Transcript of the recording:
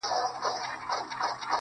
چي د وختونو له خدايانو څخه ساه واخلمه,